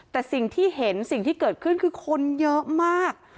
แต่สิ่งที่เห็นสิ่งที่เกิดขึ้นคือคนเยอะมาก